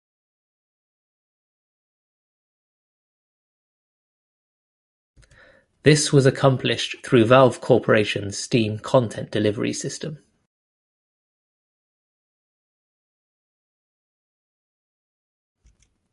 This was accomplished through Valve Corporation's Steam content delivery system.